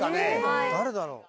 誰だろう？